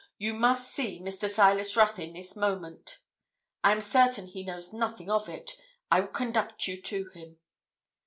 You must see Mr. Silas Ruthyn this moment. I am certain he knows nothing of it. I will conduct you to him.'